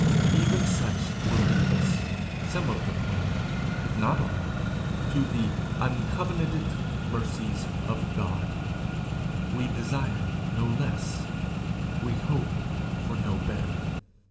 Even such will leave us some of them will, if not all to the "uncovenanted mercies of God." We desire no less; we hope for no better.